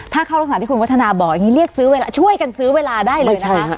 ถ้าเข้ารักษณะที่คุณวัฒนาบอกอย่างนี้ช่วยกันซื้อเวลาได้เลยนะครับ